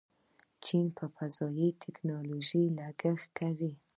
چین په فضایي ټیکنالوژۍ لګښت کوي.